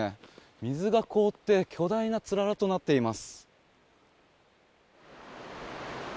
水が凍って巨大なつららとなっています。